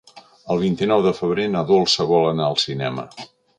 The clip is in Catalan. El vint-i-nou de febrer na Dolça vol anar al cinema.